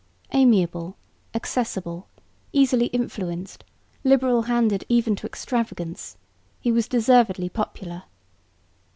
Amiable, accessible, easily influenced, liberal handed even to extravagance, he was deservedly popular.